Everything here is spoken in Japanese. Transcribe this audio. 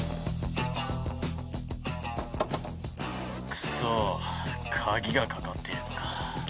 クソかぎがかかっているのか。